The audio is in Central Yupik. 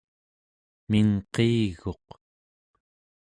mingqiiguq